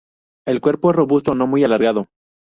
El cuerpo es robusto, no muy alargado.